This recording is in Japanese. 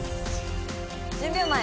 １０秒前。